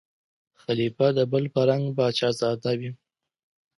خلیفه د بل په رنګ پاچا زاده وي